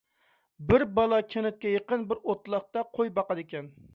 بىر بالا كەنتكە يېقىن بىر ئوتلاقتا قوي باقىدىكەن.